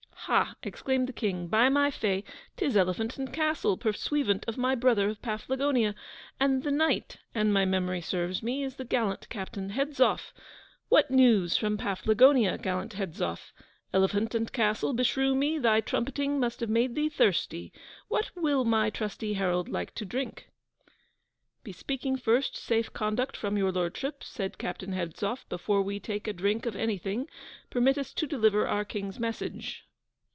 'Ha!' exclaimed the King, 'by my fey, 'tis Elephant and Castle, pursuivant of my brother of Paflagonia; and the Knight, an' my memory serves me, is the gallant Captain Hedzoff! What news from Paflagonia, gallant Hedzoff? Elephant and Castle, beshrew me, thy trumpeting must have made thee thirsty. What will my trusty herald like to drink?' 'Bespeaking first safe conduct from your Lordship,' said Captain Hedzoff, 'before we take a drink of anything, permit us to deliver our King's message.